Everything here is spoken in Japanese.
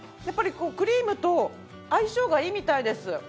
やっぱりこうクリームと相性がいいみたいです。